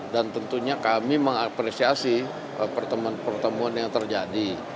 dan tentunya kami mengapresiasi pertemuan pertemuan yang terjadi